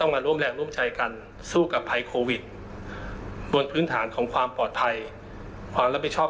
มาช่วยกันนะครับ